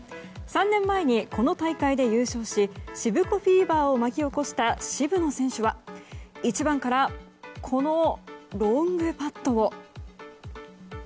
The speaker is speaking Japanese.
３年前にこの大会で優勝ししぶこフィーバーを巻き起こした渋野選手は１番から、このロングパットを。